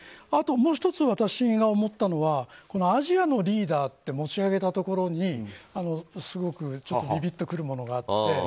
あともう１つ、私が思ったのはアジアのリーダーって持ち上げたところにすごくビビっとくるものがあって。